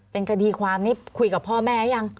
เป็นคดีความนี่คุยกับพ่อแม่ยัง